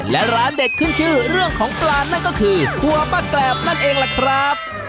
และร้านเด็ดขึ้นชื่อเรื่องของปลานั่นก็คือถั่วป้าแกรบนั่นเองล่ะครับ